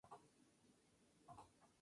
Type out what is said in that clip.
Es nativo de India a Indochina.